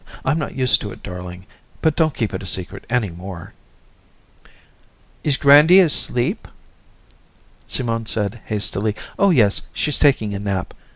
"I'm not used to it, darling. But don't keep it secret any more." "Is Grandy asleep?" Simone said hastily, "Oh yes, she's taking a nap.